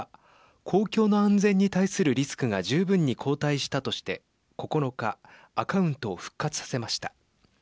公共の安全に対するリスクが十分に後退したとして９日アカウントを復活させました。